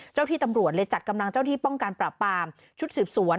เจ้าที่ตำรวจเลยจัดกำลังเจ้าที่ป้องกันปราบปามชุดสืบสวน